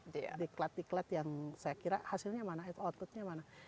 diklat diklat yang saya kira hasilnya mana outputnya mana